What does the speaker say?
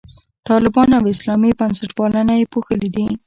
طالبان او اسلامي بنسټپالنه یې پوښلي دي.